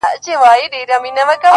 مُلا سړی سو په خپل وعظ کي نجلۍ ته ويل.